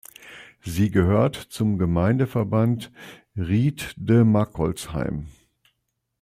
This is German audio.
Sie gehört zum Gemeindeverband "Ried de Marckolsheim".